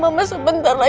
siapapun ukur dirinya